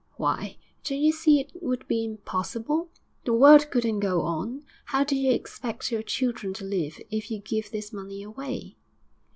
'Why, don't you see it would be impossible? The world couldn't go on. How do you expect your children to live if you give this money away?'